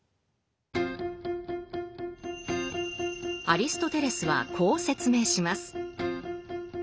アリストテレスはこう説明します。